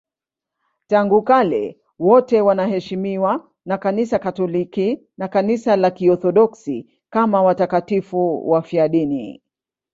Tangu kale wote wanaheshimiwa na Kanisa Katoliki na Kanisa la Kiorthodoksi kama watakatifu wafiadini.